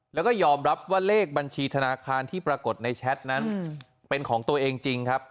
แล้วก็ยอมรับว่าเลขบัญชีธนาคารที่ปรากฏในแชทนั้นเป็นของตัวเองจริงครับ